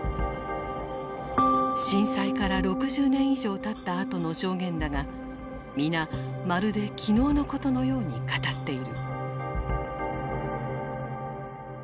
震災から６０年以上たったあとの証言だが皆まるで昨日のことのように語っている。